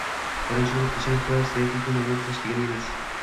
Birinchi bo‘lib kechirim so‘rash – zaiflikni namoyon qilish degani emas.